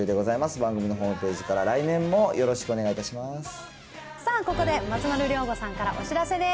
番組のホームページから、来年もよろしくお願いいたします。